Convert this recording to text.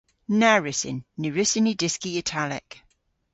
Na wrussyn. Ny wrussyn ni dyski Italek.